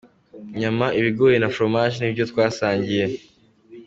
Inyama, ibigori na fromage ni vyo twasangiye.